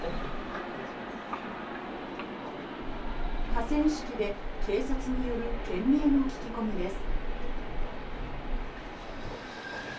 河川敷で警察による懸命の聞き込みです。